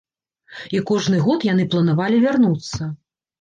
І кожны год яны планавалі вярнуцца.